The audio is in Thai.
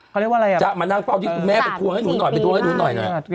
จะมานั่งเป้าที่แม่ไปทัวร์ให้หนูหน่อย